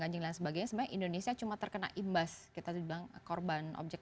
anjing dan sebagainya sebenarnya indonesia cuma terkena imbas kita bilang korban objek